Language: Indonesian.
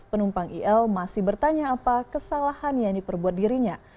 penumpang il masih bertanya apa kesalahan yang diperbuat dirinya